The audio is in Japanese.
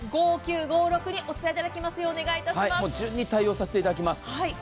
順番に対応させていただきます。